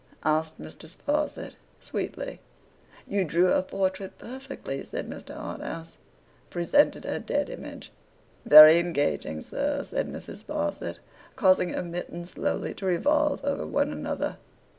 asked Mrs. Sparsit, sweetly. 'You drew her portrait perfectly,' said Mr. Harthouse. 'Presented her dead image.' 'Very engaging, sir,' said Mrs. Sparsit, causing her mittens slowly to revolve over one another.